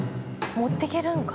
持って行けるのか。